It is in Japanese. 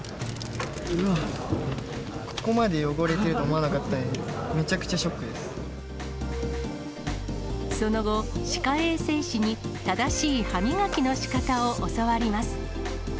ここまで汚れているとは思わなかったので、めちゃくちゃショックその後、歯科衛生士に、正しい歯磨きのしかたを教わります。